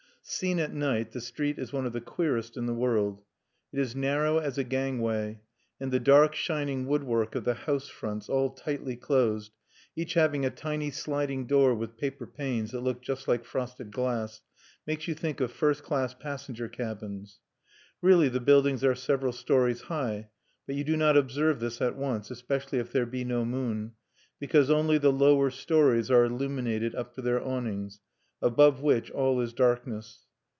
Seen at night the street is one of the queerest in the world. It is narrow as a gangway; and the dark shining woodwork of the house fronts, all tightly closed, each having a tiny sliding door with paper panes that look just like frosted glass, makes you think of first class passenger cabins. Really the buildings are several stories high; but you do not observe this at once, especially if there be no moon, because only the lower stories are illuminated up to their awnings, above which all is darkness.